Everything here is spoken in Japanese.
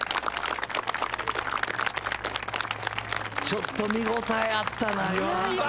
ちょっと見応えあったな今。